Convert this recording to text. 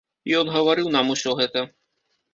Ён гаварыў нам усё гэта.